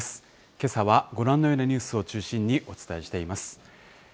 けさはご覧のようなニュースを中心にお伝えしています。